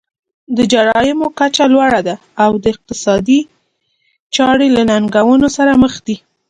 د جرایمو کچه لوړه ده او اقتصادي چارې له ننګونو سره مخ دي.